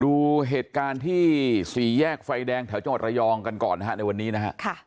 ดูเหตุการณ์ที่สี่แยกไฟแดงแถวจังหวัดระยองกันก่อนนะฮะในวันนี้นะฮะ